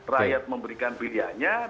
rakyat memberikan pilihannya